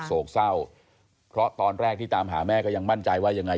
โศกเศร้าเพราะตอนแรกที่ตามหาแม่ก็ยังมั่นใจว่ายังไง